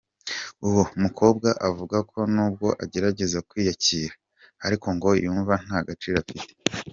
Uwo mukobwa avuga ko n’ubwo agerageza kwiyakira, ariko ngo yumva nta gaciro afite.